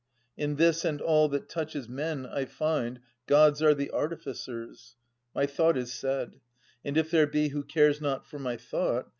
In this, and all that touches men, I find, Gods are the artificers. My thought is said. And if there be who cares not for my thought.